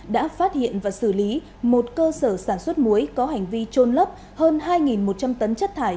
đã phát hiện và xử lý một cơ sở sản xuất muối có hành vi trôn lấp hơn hai một trăm linh tấn chất thải